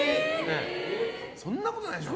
そんなことないでしょ。